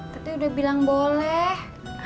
tati udah bilang boleh